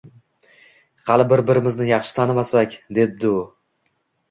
Hali bir-birimizni yaxshi tanimasak, — debdi u